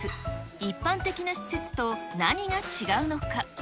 一般的な施設と何が違うのか。